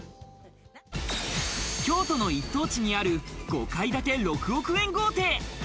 京都の一等地にある５階建て６億円豪邸。